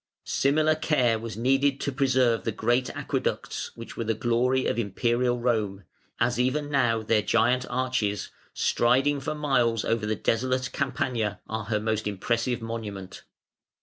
Similar care was needed to preserve the great Aqueducts which were the glory of Imperial Rome, as even now their giant arches, striding for miles over the desolate Campagna, are her most impressive monument.